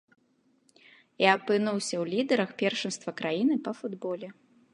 І апынуўся ў лідарах першынства краіны па футболе.